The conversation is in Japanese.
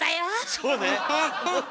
そうね。